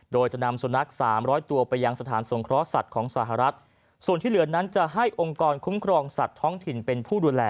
โดยจะนำสุนัขสามร้อยตัวไปยังสถานสงเคราะห์สัตว์ของสหรัฐส่วนที่เหลือนั้นจะให้องค์กรคุ้มครองสัตว์ท้องถิ่นเป็นผู้ดูแล